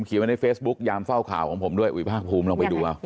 ไว้ในเฟซบุ๊กยามเฝ้าข่าวของผมด้วยอุ๋ยภาคภูมิลองไปดูเอา